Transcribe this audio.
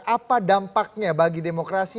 apa dampaknya bagi demokrasi